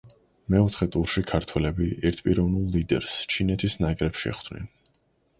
მეოთხე ტურში ქართველები ერთპიროვნულ ლიდერს, ჩინეთის ნაკრებს შეხვდნენ.